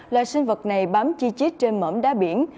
loài sinh vật này bám chi chít trên mẩm đá biển